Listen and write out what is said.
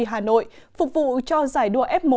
hà nội phục vụ cho giải đua f một